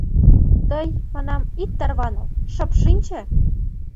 — Тый, манам, ит тарваныл, шып шинче!